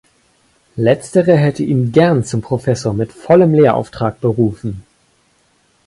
Letztere hätte ihn gern zum Professor mit vollem Lehrauftrag berufen.